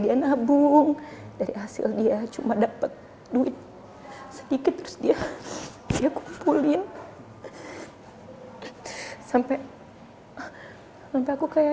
dia nabung dari hasil dia cuma dapat duit sedikit terus dia dia kumpulin sampai mimpi aku kayak